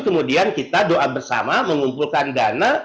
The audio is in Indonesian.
kemudian kita doa bersama mengumpulkan dana